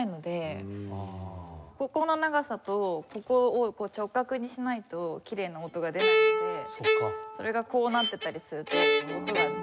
ここの長さとここを直角にしないときれいな音が出なくてそれがこうなってたりすると音が出なくなってしまう。